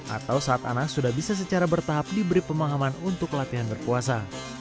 atau saat anak sudah bisa secara bertahap diberi pemahaman untuk latihan berpuasa